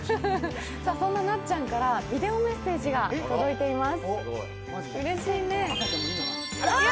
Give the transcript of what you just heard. そんななっちゃんからビデオメッセージが届いています。